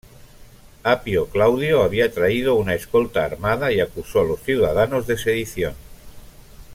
Apio Claudio había traído una escolta armada y acusó a los ciudadanos de sedición.